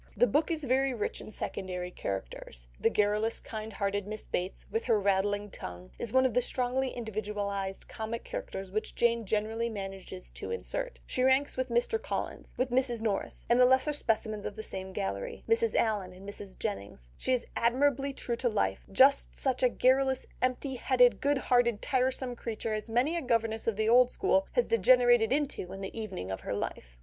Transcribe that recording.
The book is very rich in secondary characters. The garrulous, kind hearted Miss Bates, with her rattling tongue, is one of the strongly individualised comic characters which Jane generally manages to insert. She ranks with Mr. Collins, with Mrs. Norris, and the lesser specimens of the same gallery, Mrs. Allen and Mrs. Jennings. She is admirably true to life, just such a garrulous, empty headed, good hearted, tiresome creature as many a governess of the old school has degenerated into in the evening of her life.